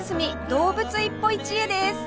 動物一歩一会です